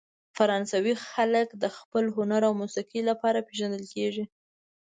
فرانسوي خلک د خپل هنر او موسیقۍ لپاره پېژندل کیږي.